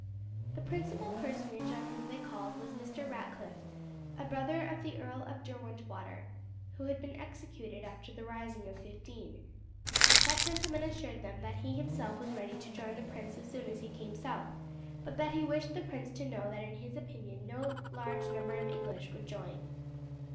The principal personage upon whom they called was Mr. Ratcliff, a brother of the Earl of Derwentwater, who had been executed after the rising of '15. That gentleman assured them that he himself was ready to join the prince as soon as he came south, but that he wished the prince to know that in his opinion no large number of English would join.